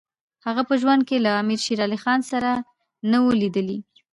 هغه په ژوند کې له امیر شېر علي خان سره نه وو لیدلي.